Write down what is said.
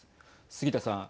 杉田さん。